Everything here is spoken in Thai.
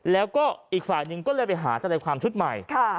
แล้วก็อีกฝ่ายหนึ่งก็เลยไปหาทนายความชุดใหม่